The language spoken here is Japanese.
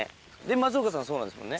松岡さんもそうなんですよね。